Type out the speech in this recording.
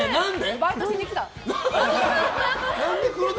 バイトしに来た。